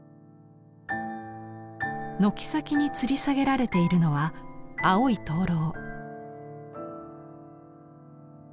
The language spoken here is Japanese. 軒先につり下げられているのは青い燈籠。